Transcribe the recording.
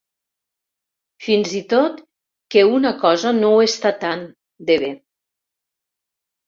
Fins i tot que una cosa no ho està tant, de bé.